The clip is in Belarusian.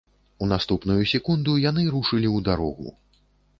У наступную секунду яны рушылі ў дарогу.